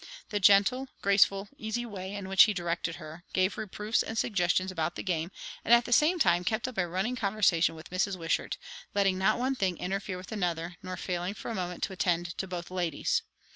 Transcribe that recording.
The gentle, graceful, easy way, in which he directed her, gave reproofs and suggestions about the game, and at the same time kept up a running conversation with Mrs. Wishart; letting not one thing interfere with another, nor failing for a moment to attend to both ladies.